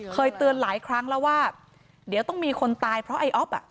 เคยเตือนหลายครั้งแล้วว่าเดี๋ยวต้องมีคนตายเพราะไอ้อ๊อฟอ่ะ